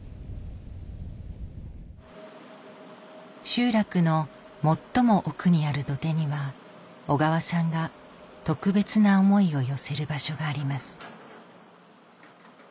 集落の最も奥にある土手には小川さんが特別な思いを寄せる場所があります